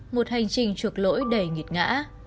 một hành trình chuộc lỗi đầy nghịt ngã